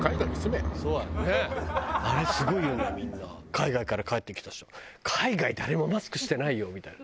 海外から帰って来た人「海外誰もマスクしてないよ」みたいな。